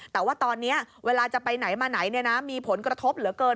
แต่ว่าตอนนี้เวลาจะไปไหนมาไหนมีผลกระทบเหลือเกิน